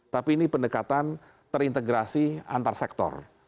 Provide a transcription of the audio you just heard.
tapi ini pendekatan terintegrasi antar sektor